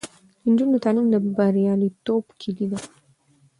د نجونو تعلیم د بریالیتوب کیلي ده.